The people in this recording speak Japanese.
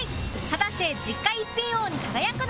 果たして